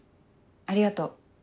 ありがとう。